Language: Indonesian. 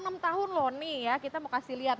dan umur enam tahun loh nih ya kita mau kasih lihat